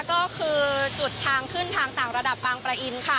ก็คือจุดทางขึ้นทางต่างระดับบางประอินค่ะ